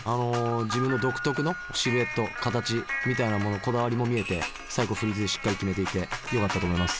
自分の独特のシルエット形みたいなものこだわりも見えて最後フリーズでしっかり決めていてよかったと思います。